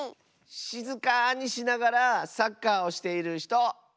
しずかにしながらサッカーをしているひと。